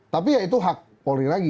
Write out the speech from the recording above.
tapi ya itu hak polri lagi